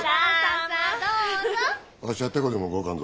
わしはてこでも動かんぞ。